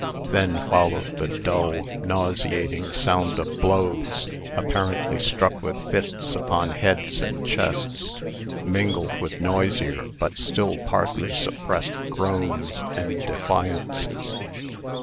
Then followed the dull, nauseating sound of blows, apparently struck with fists upon heads and chests, mingled with noisier but still partly suppressed groans, and defiances.